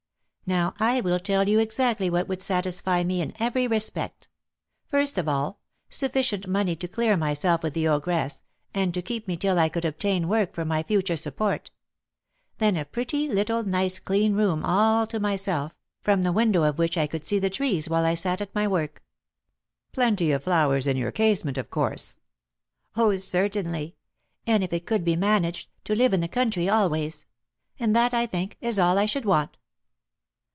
Now I will tell you exactly what would satisfy me in every respect: first of all, sufficient money to clear myself with the ogress, and to keep me till I could obtain work for my future support; then a pretty, little, nice, clean room, all to myself, from the window of which I could see the trees while I sat at my work." "Plenty of flowers in your casement, of course?" "Oh, certainly! And, if it could be managed, to live in the country always. And that, I think, is all I should want."